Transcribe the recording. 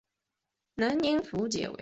南宁府解围。